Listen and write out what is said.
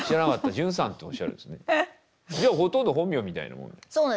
じゃあほとんど本名みたいなもん。